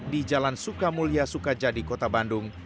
di jalan sukamulya sukajadi kota bandung